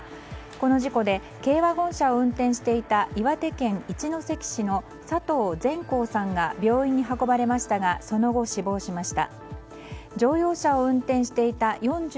この事故で軽ワゴン車を運転していた岩手県一関市の佐藤善興さんが病院に運ばれましたがその後、死亡しました。